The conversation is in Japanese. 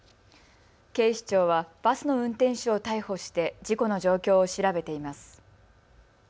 警視庁はバスの運転手を逮捕して事故の状況を調べています。